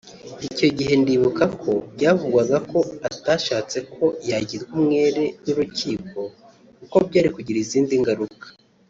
icyo gihe ndibuka ko byavugwaga ko atashatse ko yagirwa umwere n’urukiko kuko byari kugira izindi ngaruka